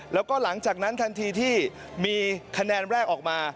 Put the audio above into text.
แล้วก็หลังจากนั้นทันทีที่มีคะแนนแรกออกมา